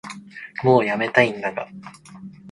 もうやめたいんだが